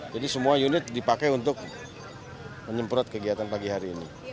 jadi semua unit dipakai untuk menyemprot kegiatan pagi hari ini